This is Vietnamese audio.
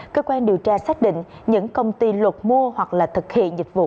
cơ quan điều tra xác định những công ty luật mua hoặc là thực hiện dịch vụ